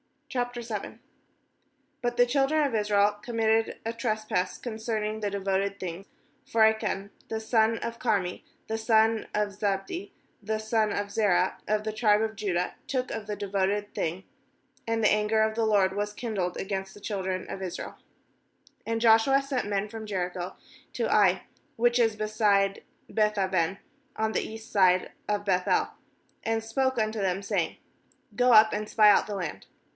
n But the children of Israel com mitted a trespass concerning the devoted thing; for Achan, the son of Carmi, the son of Zabdi, the son of Zerah, of the tribe of Judah, took of the devoted thing; and the anger of the LORD was kindled against the children of Israel 2And Joshua sent men from Jericho to Ai, which is beside Beth aven, on the east side of Beth el, and spoke unto them, saying: 'Go up and spy out the land.'